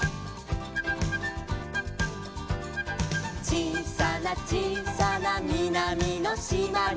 「ちいさなちいさなみなみのしまに」